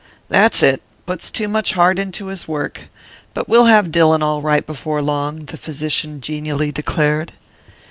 "That's it puts too much heart into his work. But we'll have Dillon all right before long," the physician genially declared.